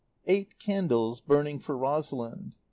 Eight candles burning for Rosalind.